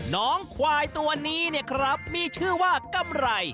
น้องควายตัวนี้เนี่ยครับมีชื่อว่ากำไร